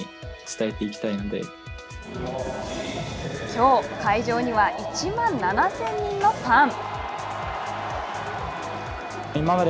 きょう、会場には１万７０００人のファン。